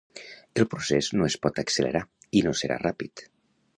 El procés no es pot accelerar i no serà ràpid.